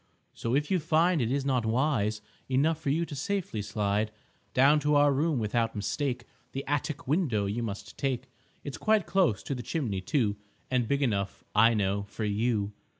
So if you find it is not wise Enough for you to safely slide Down to our room without mistake, The attic window you must take. It's quite close to the chimney, too, And big enough, I know, for you.